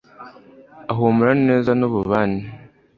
ahumura neza n ububani